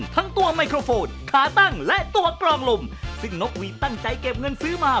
ทั้งตัวไมโครโฟนขาตั้งและตัวกรองลมซึ่งนกวีตั้งใจเก็บเงินซื้อมา